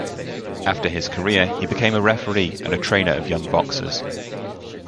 After his career, he became a referee and a trainer of young boxers.